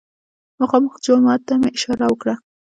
مخامخ جومات ته مې اشاره وکړه.